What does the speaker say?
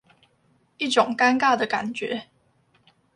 一種尷尬的感覺